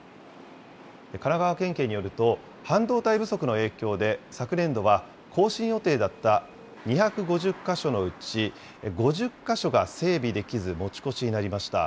神奈川県警によると、半導体不足の影響で、昨年度は更新予定だった２５０か所のうち、５０か所が整備できず持ち越しになりました。